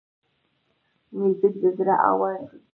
موزیک د زړه آواز دی.